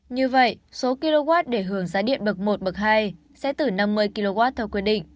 như vậy số kwh để hưởng giá điện bậc một bậc hai sẽ từ năm mươi kwh theo quyết định